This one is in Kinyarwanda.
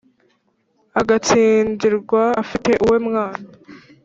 Agatsindirwa afite uwe mwana,